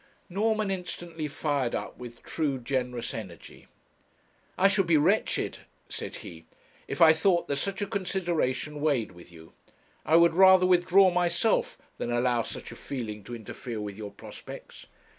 Norman instantly fired up with true generous energy. 'I should be wretched,' said he, 'if I thought that such a consideration weighed with you; I would rather withdraw myself than allow such a feeling to interfere with your prospects.